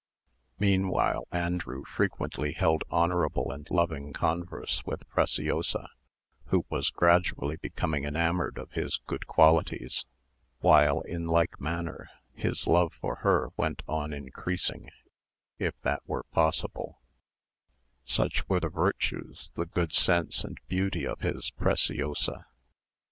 Meanwhile Andrew frequently held honourable and loving converse with Preciosa, who was gradually becoming enamoured of his good qualities; while, in like manner, his love for her went on increasing, if that were possible: such were the virtues, the good sense and beauty of his Preciosa.